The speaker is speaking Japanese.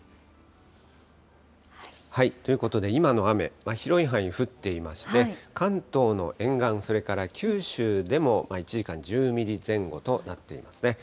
ということで、今の雨、広い範囲に降っていまして、関東の沿岸、それから九州でも１時間１０ミリ前後となっていますね。